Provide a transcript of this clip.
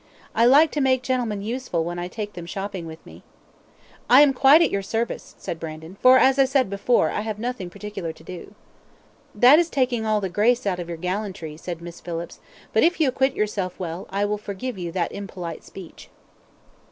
I like to make gentlemen useful when I take them shopping with me." "I am quite at your service," said Brandon, "for, as I said before, I have nothing particular to do." "That is taking all the grace out of your gallantry," said Miss Phillips, "but if you acquit yourself well, I will forgive you that impolite speech."